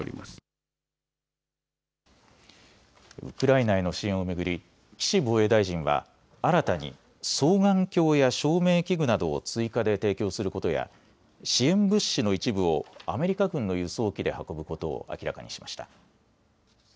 ウクライナへの支援を巡り岸防衛大臣は新たに双眼鏡や照明器具などを追加で提供することや支援物資の一部をアメリカ軍の輸送機で運ぶことを明らかにしました。